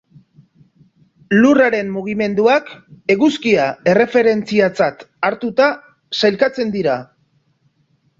Lurraren mugimenduak Eguzkia erreferentziatzat hartuta sailkatzen dira.